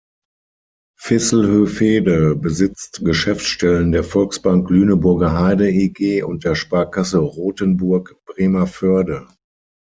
Visselhövede besitzt Geschäftsstellen der Volksbank Lüneburger Heide eG und der Sparkasse Rotenburg-Bremervörde.